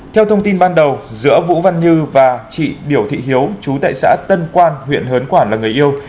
theo thông tin ban đầu giữa vũ văn như và chị điểu thị hiếu chú tại xã tân quan huyện hớn quản là người yêu